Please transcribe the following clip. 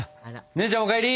姉ちゃんお帰り！